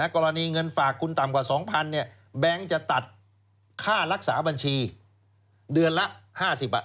กรณีเงินฝากคุณต่ำกว่า๒๐๐เนี่ยแบงค์จะตัดค่ารักษาบัญชีเดือนละ๕๐บาท